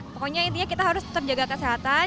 pokoknya intinya kita harus tetap jaga kesehatan